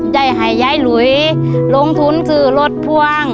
ได้ให้ยายหลุยลงทุนซื้อรถพ่วง